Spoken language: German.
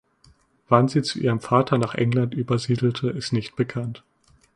Wann sie zu ihrem Vater nach England übersiedelte ist nicht bekannt.